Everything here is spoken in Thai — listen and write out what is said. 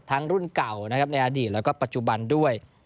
ทั้งรุ่นเก่าในอดีตและปัจจุบันด้วย